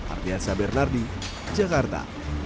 ardiansya bernardi jakarta